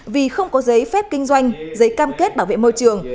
vì không có giấy phép kinh doanh giấy cam kết bảo vệ môi trường